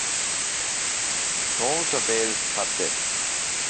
Trencavel hatte.